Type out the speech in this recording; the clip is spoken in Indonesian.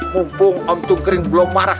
mumpung om cungkring belum marah